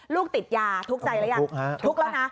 ลูกติดยาทุกข์ใจแล้วยังทุกข์แล้วนะ